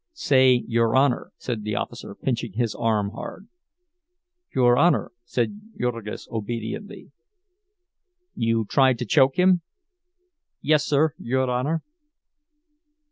"Say 'your Honor,'" said the officer, pinching his arm hard. "Your Honor," said Jurgis, obediently. "You tried to choke him?" "Yes, sir, your Honor."